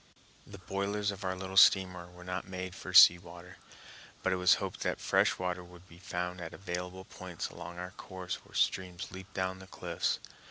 The boilers of our little steamer were not made for sea water, but it was hoped that fresh water would be found at available points along our course where streams leap down the cliffs.